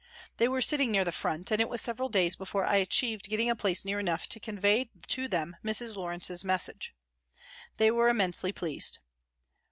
They were sitting near the front, and it was several days before I achieved getting a place near enough to convey to them Mrs. Lawrence's message. They were im mensely pleased.